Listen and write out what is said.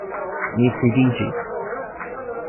Mi sidiĝis.